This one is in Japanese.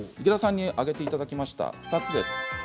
池田さんに挙げていただきました２つです。